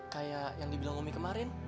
kayak yang dibilang umi kemarin